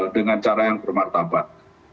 dengan cara yang bermartabat